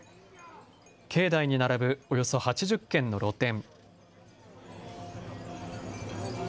境内に並ぶおよそ８０軒の露店。